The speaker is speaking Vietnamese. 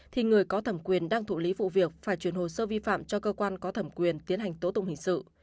thì người có thẩm quyền đang thụ lý vụ việc phải chuyển hồ sơ vi phạm cho cơ quan có thẩm quyền tiến hành tố tụng hình sự